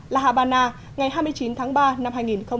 là hà bà nà ngày hai mươi chín tháng ba năm hai nghìn một mươi tám